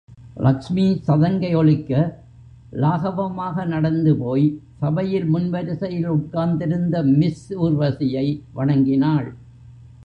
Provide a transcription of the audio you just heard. லக்ஷ்மி சதங்கை ஒலிக்க லாகவமாக நடந்து போய்ச் சபையில் முன் வரிசையில் உட்கார்ந்திருந்த மிஸ் ஊர்வசியை வணங்கினாள்.